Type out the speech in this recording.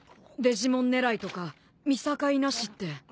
デジモン狙いとか見境なしって。